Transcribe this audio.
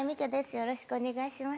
よろしくお願いします。